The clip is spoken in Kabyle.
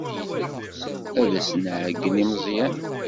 Ad as-nɛeyyen i Meẓyan.